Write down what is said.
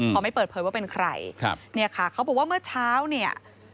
เขาไม่เปิดเผยว่าเป็นใครครับเนี่ยค่ะเขาบอกว่าเมื่อเช้าเนี่ย